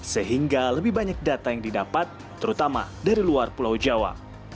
sehingga lebih banyak data yang didapat terutama dari luar pulau jawa